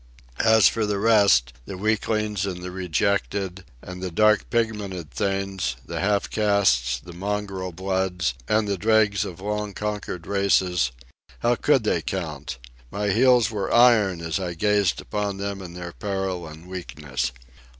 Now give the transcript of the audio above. As for the rest—the weaklings and the rejected, and the dark pigmented things, the half castes, the mongrel bloods, and the dregs of long conquered races—how could they count? My heels were iron as I gazed on them in their peril and weakness.